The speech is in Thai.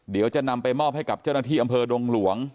เดี๋ยวจะนำไปมอบให้กับเจ้าหน้าที่อำเภอดงหลวง